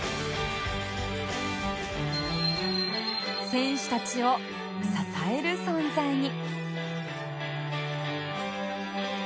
選手たちを支える存在に